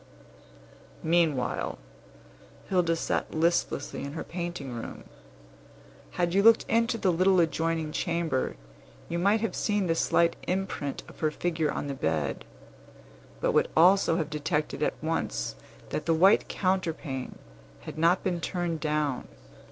Meanwhile, Hilda sat listlessly in her painting room. Had you looked into the little adjoining chamber, you might have seen the slight imprint of her figure on the bed, but would also have detected at once that the white counterpane had not been turned down.